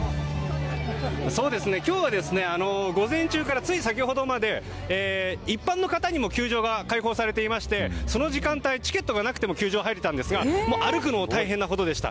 今日は午前中からつい先ほどまで一般の方にも球場が解放されていましてその時間帯、チケットがなくても球場に入れたんですがもう、歩くのも大変なほどでした。